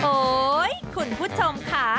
โอ้โฮขุนผู้ชมค่ะ